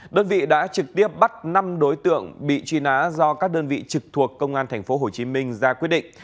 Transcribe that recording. đơn vị đã trực tiếp bắt năm đối tượng bị truy nã do các đơn vị trực thuộc công an tp hcm ra quyết định